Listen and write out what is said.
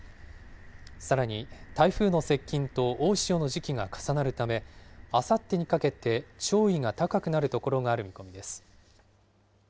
さらに台風の接近と大潮の時期が重なるため、あさってにかけて潮位が高くなる所がある見込みです。